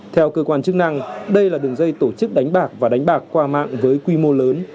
theo cơ quan chức năng đây là đường dây tổ chức đánh bạc và đánh bạc qua mạng với quy mô lớn